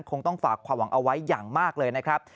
คงต้องฝากความหวังเอาไว้อย่างมากเลยนะครับ